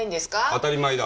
当たり前だ。